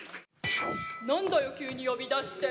なんだよ、急に呼び出して。